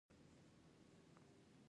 د غوږ د خارش لپاره د غوږ څاڅکي وکاروئ